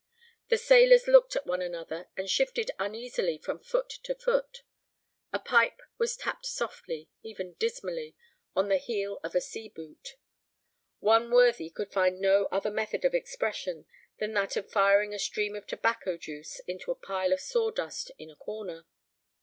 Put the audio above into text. The sailors looked at one another and shifted uneasily from foot to foot. A pipe was tapped softly, even dismally, on the heel of a sea boot. One worthy could find no other method of expression than that of firing a stream of tobacco juice into a pile of sawdust in a corner.